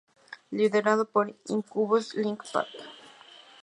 Liderado por: Incubus y Linkin Park.